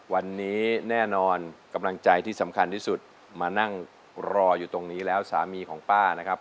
วันนี้แน่นอนกำลังใจที่สำคัญที่สุดมานั่งรออยู่ตรงนี้แล้วสามีของป้านะครับ